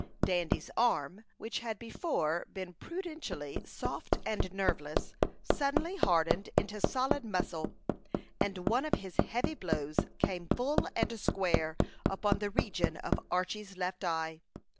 Dandy's arm, which had before been prudentially soft and nerveless, suddenly hardened into solid muscle, and one of his heavy blows came full and square upon the region of Archy's left eye.